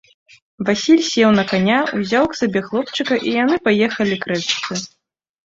Васіль сеў на каня, узяў к сабе хлопчыка, і яны паехалі к рэчцы.